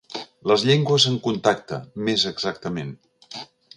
Les llengües en contacte, més exactament.